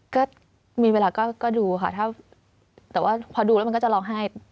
ก็มีเวลาก็ดูค่ะแต่ว่าพอดูแล้วมันก็จะร้องไห้